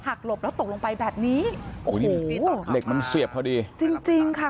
หลบแล้วตกลงไปแบบนี้โอ้โหเหล็กมันเสียบพอดีจริงจริงค่ะ